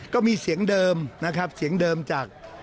ก็มีเสียงเดิมนะครับเสียงเดิมจาก